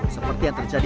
seperti yang terjadi